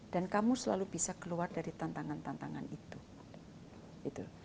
dan kamu selalu bisa keluar dari tantangan tantangan itu